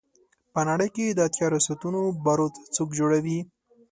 په نړۍ کې د اتیا ریاستونو بارود څوک جوړوي.